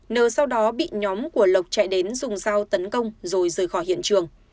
nờ sau đó bị nhóm của lộc chạy đến dùng dao tấn công rồi rời khỏi hiện trường